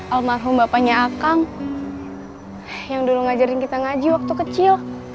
almarhum bapaknya akang yang dulu ngajarin kita ngaji waktu kecil